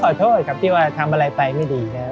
ก็ก็ขอโทษครับว่าจะทำอะไรไปไม่ดีเนี่ย